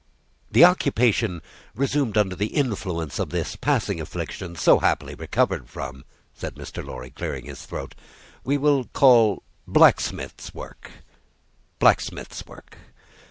"The occupation resumed under the influence of this passing affliction so happily recovered from," said Mr. Lorry, clearing his throat, "we will call Blacksmith's work, Blacksmith's work.